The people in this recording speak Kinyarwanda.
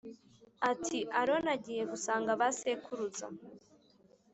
ati Aroni agiye gusanga ba sekuruza